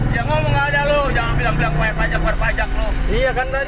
ya ngomong aja lu jangan bilang bilang bayar pajak bayar pajak lu iya kan tadi